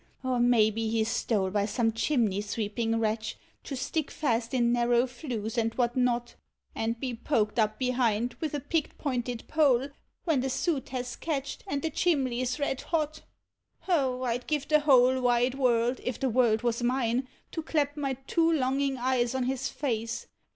Or maybe he's stole by some chimney sweeping wretch, to stick fast in narrow Hues and what not, And be poked up behind with a picked pointed pole, when the soot has ketched, and the chiinbley 's red hot. O, I 'd give the whole wide world, if the world was mine, to clap my two longin eyes ou his face.